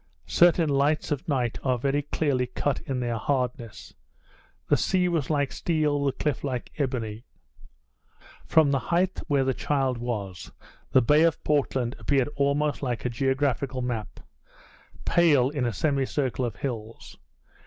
Certain lights of night are very clearly cut in their hardness; the sea was like steel, the cliff like ebony. From the height where the child was the bay of Portland appeared almost like a geographical map, pale, in a semicircle of hills.